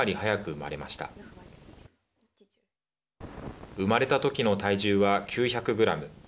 生まれた時の体重は９００グラム。